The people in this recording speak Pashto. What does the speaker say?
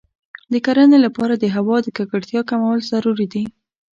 د کرنې لپاره د هوا د ککړتیا کمول ضروري دی.